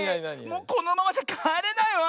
もうこのままじゃかえれないわ！